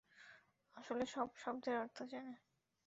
আসলে সব শব্দের অর্থ জানে।